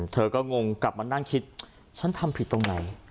เธอก็งงกลับมานั่งคิดฉันทำผิดตรงไหน